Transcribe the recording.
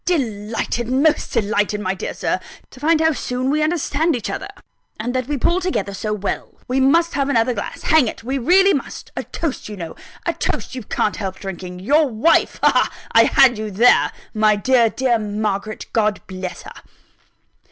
"Delighted most delighted, my dear Sir, to find how soon we understand each other, and that we pull together so well. We must have another glass; hang it, we really must! a toast, you know; a toast you can't help drinking your wife! Ha! ha! I had you there! my dear, dear Margaret, God bless her!"